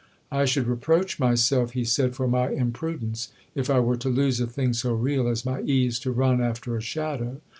"I should reproach myself," he said, "for my imprudence, if I were to lose a thing so real as my ease to run after a shadow."